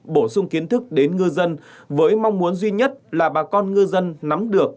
bổ sung kiến thức đến ngư dân với mong muốn duy nhất là bà con ngư dân nắm được